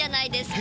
え？